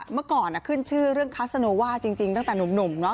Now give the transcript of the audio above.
เมื่อก่อนขึ้นชื่อเรื่องคัสโนว่าจริงตั้งแต่หนุ่มเนาะ